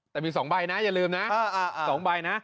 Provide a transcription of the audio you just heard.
แต่มีสองใบนะอย่าลืมนะสองใบนะ